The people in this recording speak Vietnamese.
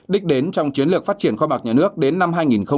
đích đến trong chiến lược phát triển kho bạc nhà nước đến năm hai nghìn ba mươi